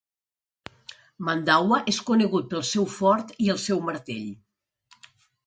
Mandawa és conegut pel seu fort i el seu martell.